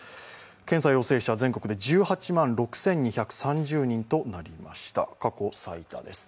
検査陽性者、全国で１８万６２３０人で過去最多です。